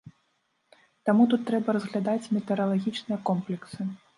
Таму тут трэба разглядаць метэаралагічныя комплексы.